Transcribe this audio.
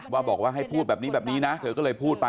ว่าบอกว่าให้พูดแบบนี้แบบนี้นะเธอก็เลยพูดไป